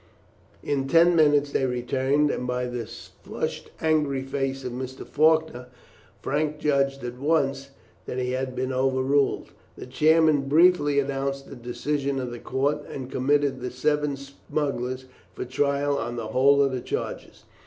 In ten minutes they returned, and by the flushed, angry face of Mr. Faulkner, Frank judged at once that he had been overruled. The chairman briefly announced the decision of the court, and committed the seven smugglers for trial on the whole of the charges.